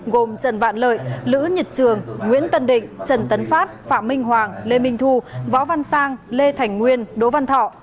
gồm trần vạn lợi lữ nhật trường nguyễn tân định trần tấn phát phạm minh hoàng lê minh thu võ văn sang lê thành nguyên đỗ văn thọ